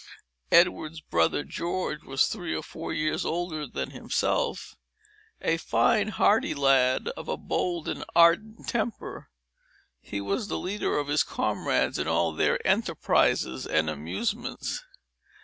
Edward's brother George was three or four years older than himself, a fine, hardy lad, of a bold and ardent temper. He was the leader of his comrades in all their enterprises and amusements.